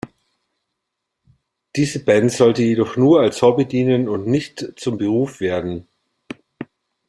Diese Band sollte jedoch nur als Hobby dienen und nicht zum Beruf werden.